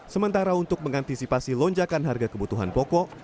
sementara untuk mengantisipasi lonjakan harga kebutuhan pokok